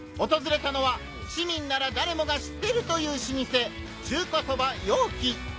訪れたのは市民ならダレもが知っているという老舗『中華そば陽気』！